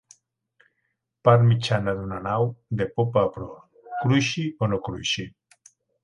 Part mitjana d'una nau de popa a proa, cruixi o no cruixi.